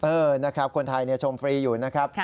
เออคนไทยชมฟรีอยู่นะครับ